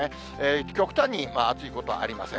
極端に暑いことはありません。